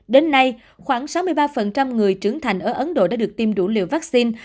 đến nay khoảng sáu mươi ba người trưởng thành ở ấn độ đã được tiêm đủ liều vaccine